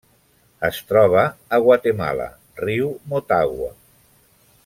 Es troba a Guatemala: riu Motagua.